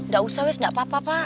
gak usah wes nggak apa apa pak